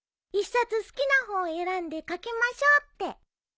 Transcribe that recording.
「１冊好きな本を選んで書きましょう」って。